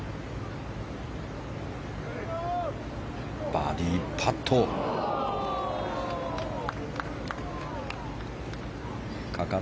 バーディーパットでした。